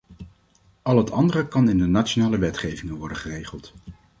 Al het andere kan in de nationale wetgevingen worden geregeld.